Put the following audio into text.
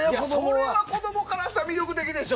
それは子供からしたら魅力的でしょ。